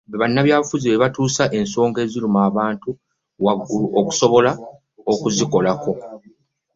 Bannabyabufuzi be batuusa ensoga eziruma abantu waggulu okusobola okukolebwako.